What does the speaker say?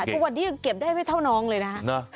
ทุกวันนี้เก็บได้ไม่เท่าน้องเลยนะ